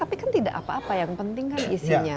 tapi kan tidak apa apa yang penting kan isinya